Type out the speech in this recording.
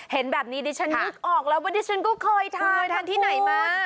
เห็นแบบนี้ดิฉันนึกออกแล้วว่าดิฉันก็เคยทานขอบคุณ